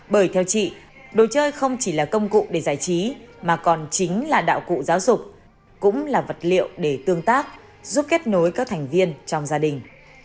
bởi theo chị đồ chơi không chỉ là công cụ để giải trí mà còn chính là đạo cụ giáo dục cũng là vật liệu để tương tác giúp kết nối các thành viên trong gia đình